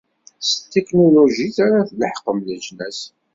S tetiknulujit ara tleḥqem leǧnas.